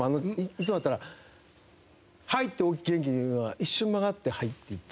いつもだったら「はい！」って元気に言うのが一瞬間があって「はい」って言ったっていう。